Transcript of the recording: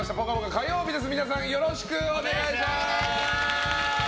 火曜日ですが皆さん、よろしくお願いします。